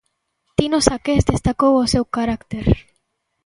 Tino Saqués destacou o seu caracter.